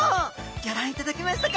ギョ覧いただけましたか？